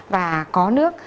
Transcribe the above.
và có nước